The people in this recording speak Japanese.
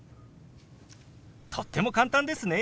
とっても簡単ですね。